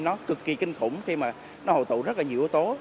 nó cực kỳ kinh khủng khi mà nó hồi tụ rất là nhiều yếu tố